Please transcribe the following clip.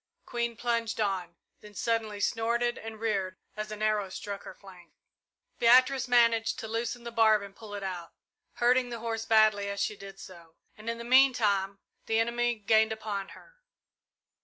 Queen plunged on, then suddenly snorted and reared as an arrow struck her flank. Beatrice managed to loosen the barb and pull it out, hurting the horse badly as she did so, and in the meantime the enemy gained upon her.